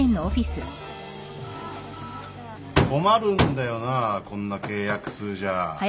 困るんだよなこんな契約数じゃ。